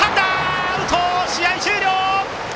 アウト、試合終了！